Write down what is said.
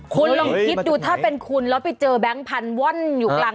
คุณลองคิดดูถ้าเป็นคุณแล้วไปเจอแบงค์พันธุ์ว่อนอยู่กลาง